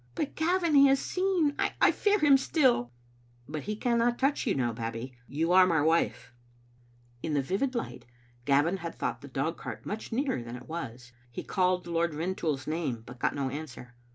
" But, Gavin, he has seen. I fear him still." " He cannot touch you now. Babbie. You are my wife." In the vivid light Gavin had thought the dogcart much nearer than it was. He called Lord Rintoul's name, but got no answer.